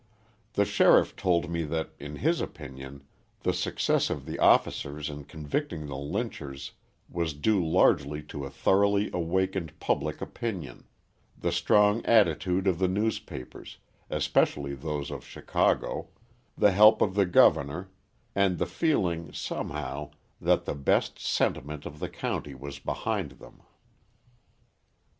The sheriff told me that, in his opinion, the success of the officers in convicting the lynchers was due largely to a thoroughly awakened public opinion, the strong attitude of the newspapers, especially those of Chicago, the help of the governor, and the feeling, somehow, that the best sentiment of the county was behind them.